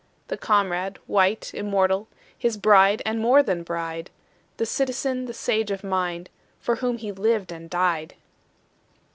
The comrade, white, immortal, His bride, and more than bride— The citizen, the sage of mind, For whom he lived and died.